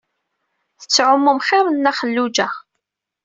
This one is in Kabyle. Tettɛumum xir n Nna Xelluǧa.